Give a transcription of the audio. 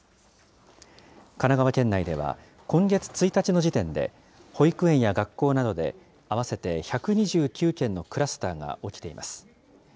神奈川県内では今月１日の時点で、保育園や学校などで合わせて１２９件のクラスターが起きています。